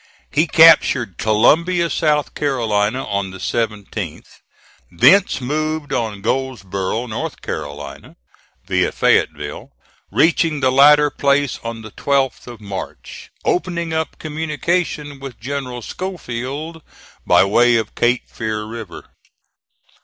He captured Columbia, South Carolina, on the 17th; thence moved on Goldsboro', North Carolina, via Fayetteville, reaching the latter place on the 12th of March, opening up communication with General Schofield by way of Cape Fear River.